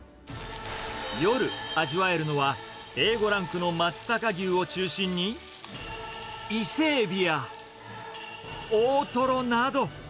夜、味わえるのはＡ５ランクの松坂牛を中心に、伊勢エビや、大トロなど。